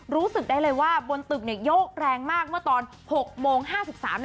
รู้สึกได้เลยว่าบนตึกเนี่ยโยกแรงมากเมื่อตอน๖โมง๕๓นาที